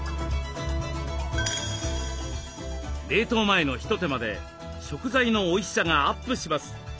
冷凍前の一手間で食材のおいしさがアップします。